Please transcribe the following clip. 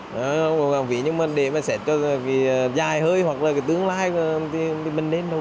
không có lãng phí nhưng mà để xét cho dài hơi hoặc là tương lai thì mình nên đâu